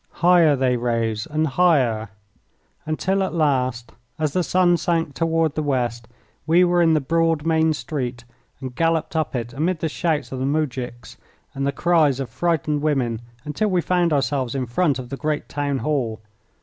Higher they rose and higher, until at last, as the sun sank toward the west, we were in the broad main street, and galloped up it amid the shouts of the moujiks and the cries of frightened women until we found ourselves in front of the great town hall.